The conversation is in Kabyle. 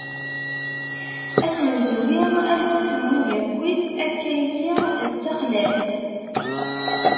Ad tt-nezwi alma temmug akkit akkayi d taxlaft.